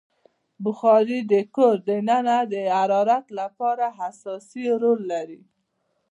بخاري د کور دننه د حرارت لپاره اساسي رول لري.